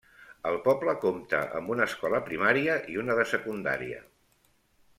El poble compta amb una escola primària i una de secundària.